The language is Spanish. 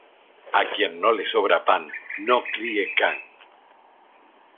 A quien no le sobra pan, no críe can.